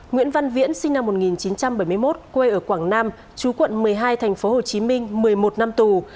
nguyễn văn viễn sinh năm một nghìn chín trăm bảy mươi một quê ở quảng nam chú quận một mươi hai tp hcm một mươi một năm tù